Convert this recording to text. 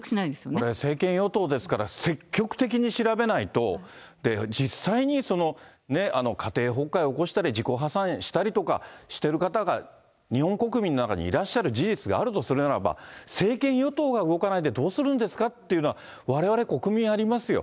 これ、政権与党ですから、積極的に調べないと、実際に家庭崩壊を起こしたり、自己破産したりとかしてる方が、日本国民の中にいらっしゃる事実があるとするならば、政権与党が動かないでどうするんですかっていうのは、われわれ国民、ありますよ。